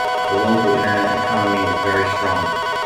The local internet economy is very strong.